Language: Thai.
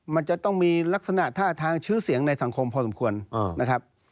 มันจะต้องมีลักษณะท่าทางชื่อเสียงในสังคมพอสมควรนะครับ